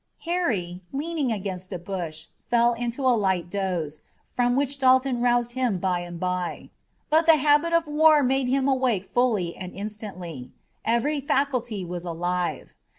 Harry, leaning against a bush, fell into a light doze, from which Dalton aroused him bye and bye. But the habit of war made him awake fully and instantly. Every faculty was alive.